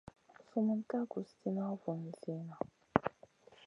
Sumun ka guss tìna vun zina.